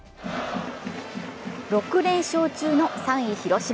６連勝中の３位・広島。